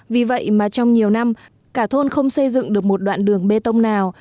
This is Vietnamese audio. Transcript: vì vậy mà trong nhiều năm cả thôn không xây dựng được một đoạn đường bê tông nào